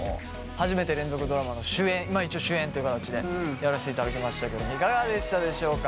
初めて連続ドラマの主演まあ一応主演という形でやらせていただきましたけどいかがでしたでしょうか。